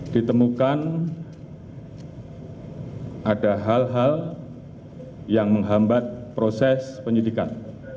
ditemukan ada hal hal yang menghambat proses penyidikan